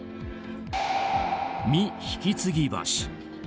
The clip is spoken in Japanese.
未引き継ぎ橋。